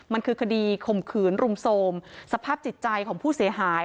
มันคือคดีข่มขืนรุมโทรมสภาพจิตใจของผู้เสียหาย